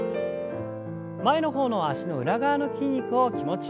前の方の脚の裏側の筋肉を気持ちよく伸ばしてください。